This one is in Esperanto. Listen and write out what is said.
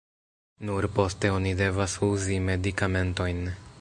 Nur poste oni devas uzi medikamentojn.